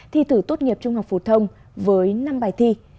thi thử tốt nghiệp trung học phổ thông với năm bài thi